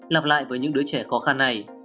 lặp lại với những đứa trẻ khó khăn này